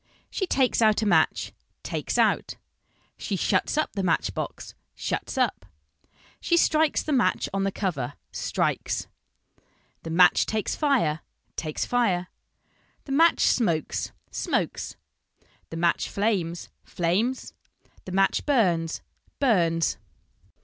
She takes out a match, takes out. She shuts up the match box, shuts up. She strikes the match on the cover, strikes. The match takes fire, takes fire. The match smokes, smokes. The match flames, flames. The match burns, burns.